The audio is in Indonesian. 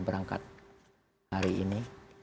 berangkat hari ini